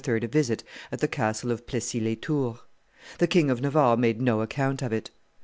a visit at the castle of Plessis les Tours. The King of Navarre made no account of it.